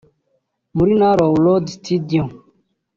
muri Narrow Road Studio